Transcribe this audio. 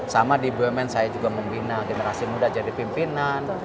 sama di bumn saya juga membina generasi muda jadi pimpinan